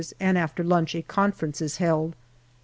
and after lunch a conference is held.